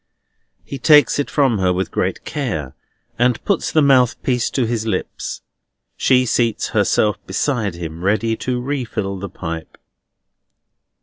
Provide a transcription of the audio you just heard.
He takes it from her with great care, and puts the mouthpiece to his lips. She seats herself beside him, ready to refill the pipe.